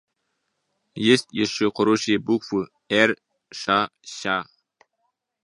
Есть еще хорошие буквы: Эр, Ша, Ща.